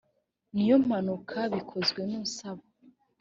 ni iyo mpanuka bikozwe n’usaba